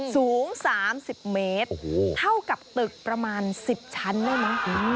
สูง๓๐เมตรเท่ากับตึกประมาณ๑๐ชั้นได้ไหม